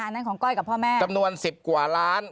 นั่นของก้อยกับพ่อแม่จำนวน๑๐กว่าล้าน